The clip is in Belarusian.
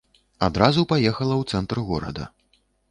Адразу паехала ў цэнтр горада.